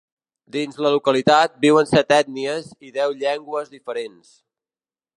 Dins la localitat, viuen set ètnies i deu llengües diferents.